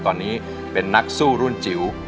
ตอนนี้เป็นนักสู้รุ่นจิ๋ว